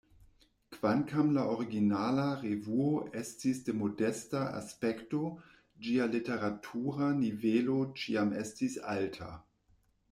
Kvankam la originala revuo estis de modesta aspekto, ĝia literatura nivelo ĉiam estis alta.